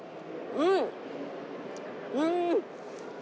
うん。